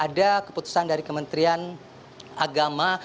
ada keputusan dari kementerian agama